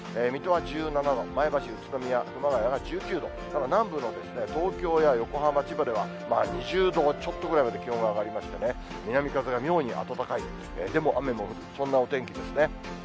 水戸は１７度、前橋、宇都宮、熊谷が１９度、ただ南部の東京や横浜、千葉では２０度ちょっとぐらいまで気温が上がりまして、南風が妙に暖かい、でも、雨も降る、そんなお天気ですね。